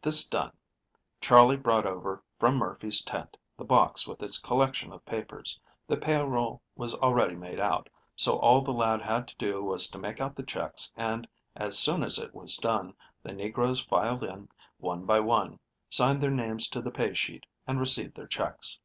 This done, Charley brought over from Murphy's tent the box with its collection of papers. The payroll was already made out, so all the lad had to do was to make out the checks and, as soon as it was done, the negroes filed in, one by one, signed their names to the pay sheet, and received their checks.